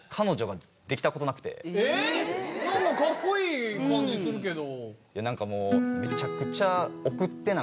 えっ⁉カッコいい感じするけど。